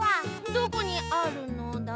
どこにあるのだ？